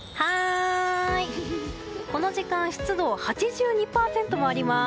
この時間、湿度は８２％もあります。